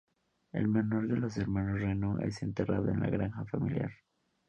El menor de los hermanos Reno es enterrado en la granja familiar.